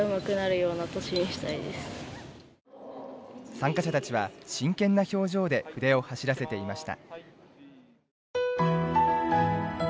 参加者たちは真剣な表情で筆を走らせていました。